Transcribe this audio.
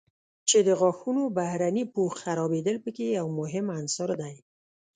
چې د غاښونو بهرني پوښ خرابېدل په کې یو مهم عنصر دی.